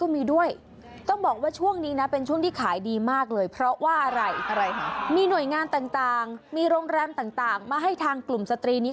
มีโรงแรมต่างมาให้ทางกลุ่มสตรีนี้